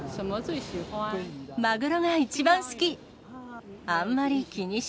マグロが一番好き。